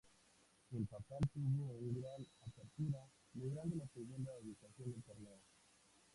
El papal tuvo un gran Apertura, logrando la segunda ubicación del Torneo.